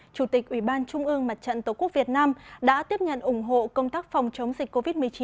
chủ tịch ủy ban trung ương mặt trận tổ quốc việt nam đã tiếp nhận ủng hộ công tác phòng chống dịch covid một mươi chín